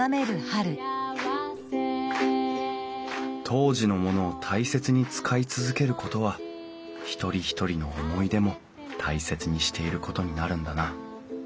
当時のものを大切に使い続けることは一人一人の思い出も大切にしていることになるんだな